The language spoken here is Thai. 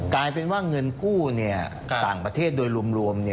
กลายเป็นว่าเงินกู้ต่างประเทศโดยรวม